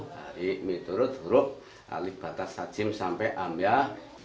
hari itu itu itu alih batas hajim sampai amiah